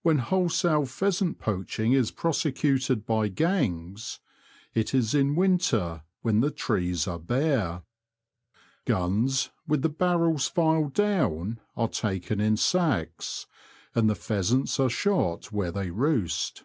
When wholesale pheasant poaching is prosecuted by gangs, it is in winter, when the trees are bare. Guns, with the barrels filed down, are taken in sacks^ and the pheasants are shot where they roost.